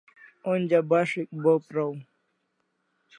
Onja bas'ik bo praw